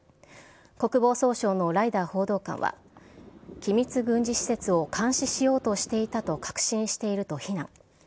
国防総省のライダー報道官は、機密軍事施設を監視しようとしていたと確信していると非難。